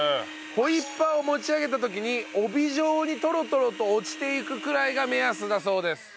ホイッパーを持ち上げた時に帯状にトロトロと落ちていくくらいが目安だそうです。